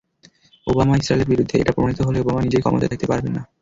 Obama ইসরায়েলের বিরুদ্ধে, এটা প্রমাণিত হলে ওবামা নিজেই ক্ষমতায় থাকতে পারবেন না।